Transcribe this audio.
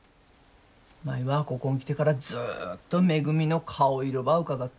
舞はここん来てからずっとめぐみの顔色ばうかがっとる。